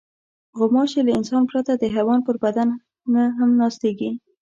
غوماشې له انسان پرته د حیوان پر بدن هم ناستېږي.